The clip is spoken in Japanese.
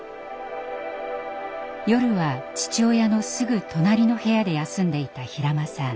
夜は父親のすぐ隣の部屋で休んでいた平間さん。